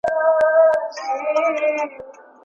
په څېړنه کي باید منطقي پایلي ترلاسه سي.